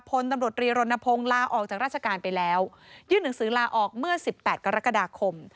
พลตำรวจรีรณพงศ์ลาออกจากราชการไปแล้วยื่นหนังสือลาออกเมื่อสิบแปดกรกฎาคม